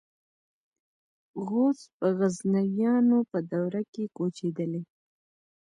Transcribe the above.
غوز په غزنویانو په دوره کې کوچېدلي.